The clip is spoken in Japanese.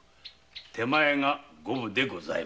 手前が五分でございましたな？